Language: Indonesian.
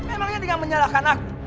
emangnya dengan menyalahkan aku